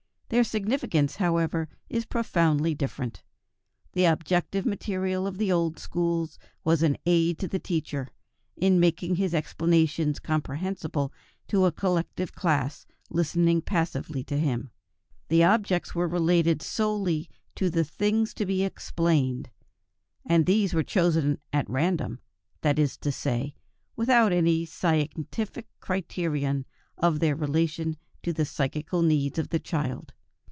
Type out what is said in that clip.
Their significance, however, is profoundly different. The objective material of the old schools was an aid to the teacher, in making his explanations comprehensible to a collective class listening passively to him. The objects were related solely to the things to be explained, and these were chosen at random, that is to say, without any scientific criterion of their relation to the psychical needs of the child.